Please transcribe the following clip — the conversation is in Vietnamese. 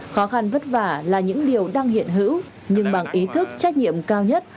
khó khăn vất vả là những điều đang hiện hữu nhưng bằng ý thức trách nhiệm cao nhất